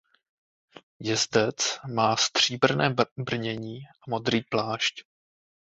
Jezdec má stříbrné brnění a modrý plášť.